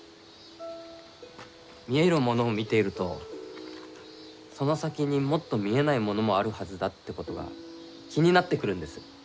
見えるものを見ているとその先にもっと見えないものもあるはずだってことが気になってくるんです。